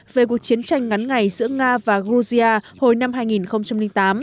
về cuộc chiến tranh ngắn ngày giữa nga và georgia hồi năm hai nghìn tám